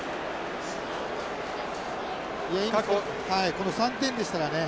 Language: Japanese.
この３点でしたらね